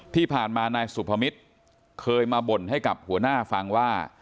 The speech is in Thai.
ที่ผ่านมานายสุพมิตรเคยมาบ่นให้กับหัวหน้าฟังว่า